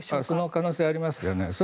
その可能性はありますよね。